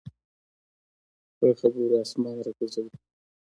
په خبرو اسمان راکوزوي.